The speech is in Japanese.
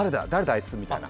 あいつみたいな。